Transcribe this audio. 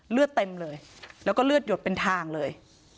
เลือดเต็มเลยแล้วก็เลือดหยดเป็นทางเลย